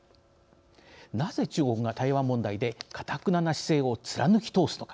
なぜ中国が台湾問題でかたくなな姿勢を貫き通すのか。